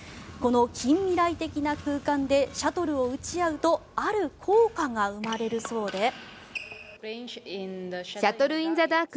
この近未来的な空間でシャトルを打ち合うとある効果が生まれるそうで。